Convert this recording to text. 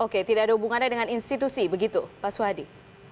oke tidak ada hubungannya dengan institusi begitu pak swadi